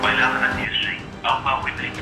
زه هره ورځ د ښوونځی لپاره امادګي نيسم